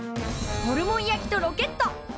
ホルモン焼きとロケット。